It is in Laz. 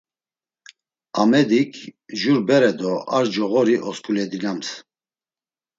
Amedik jur bere do ar coğori osǩuledinams.